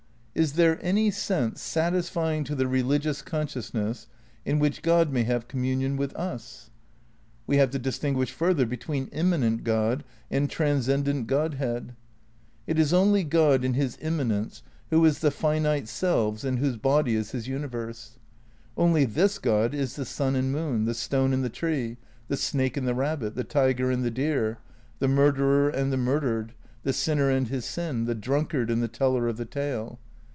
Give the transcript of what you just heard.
Is there any sense, satisfying to the religious con sciousness, in which God may have communion with us? We have to distinguish further between immanent God and transcendent Godhead. It is only God in his immanence who is the finite selves and whose body is Ms universe. Only this God is the sun and moon, the stone and the tree, the snake and the rabbit, the tiger and the deer ; the murderer and the murdered, the sin ner and his sin, the drunkard and the teller of the tale.